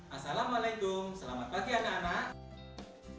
assalamualaikum selamat pagi anak anak